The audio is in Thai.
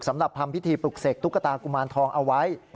ทำพิธีปลุกเสกตุ๊กตากุมารทองเอาไว้